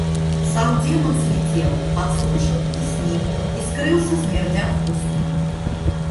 Сам Демон слетел, подслушал, и сник, и скрылся, смердя впустую.